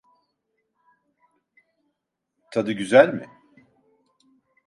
Tadı güzel mi?